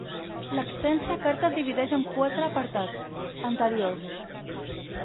L'extensa carta es divideix en quatre apartats: "Anteriors.